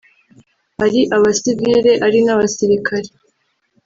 ari abasivili ari n’abasilikari